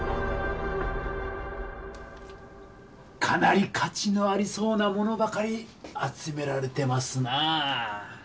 かなり価値のありそうなものばかり集められてますなぁ。